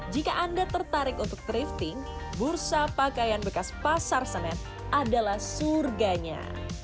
jika anda tertarik untuk thrifting bursa pakaian bekas pasar senen adalah surganya